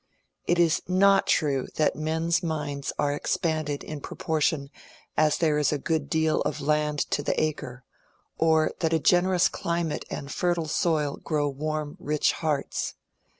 It is not true that men's minds are expanded in proportion as there is a good deal of land to the acre ; or that a generous climate and fertile soil grow warm, rich hearts.